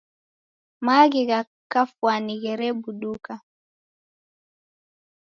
Maaghi gha kafwani gherebuduka.